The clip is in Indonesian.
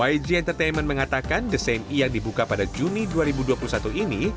yg entertainment mengatakan the same e yang dibuka pada juni dua ribu dua puluh satu ini